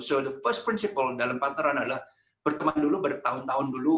jadi prinsip pertama dalam partneran adalah berteman dulu bertahun tahun dulu